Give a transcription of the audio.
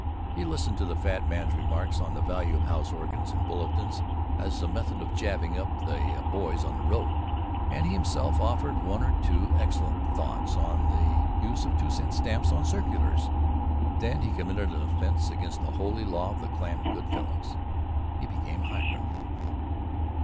He listened to the fat man's remarks on "the value of house organs and bulletins as a method of jazzing up the Boys out on the road;" and he himself offered one or two excellent thoughts on the use of two cent stamps on circulars. Then he committed an offense against the holy law of the Clan of Good Fellows. He became highbrow.